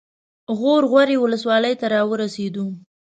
غور غوري ولسوالۍ ته راورسېدو.